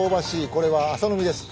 これは麻の実です。